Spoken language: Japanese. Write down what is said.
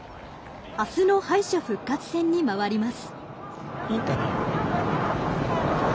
あすの敗者復活戦にまわります。